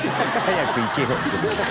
早く行けよって。